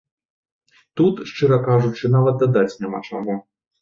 Тут, шчыра кажучы, нават дадаць няма чаго.